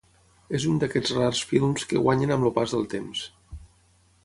És un d'aquests rars films que guanyen amb el pas del temps.